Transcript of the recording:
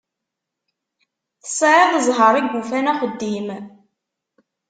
Tesεiḍ ẓẓher i yufan axeddim.